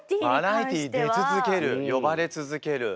バラエティー出続ける呼ばれ続ける。